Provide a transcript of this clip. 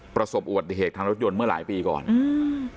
ประสบอุบัติเหตุทางรถยนต์เมื่อหลายปีก่อนอืม